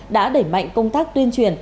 đã đẩy mạnh công tác tuyên truyền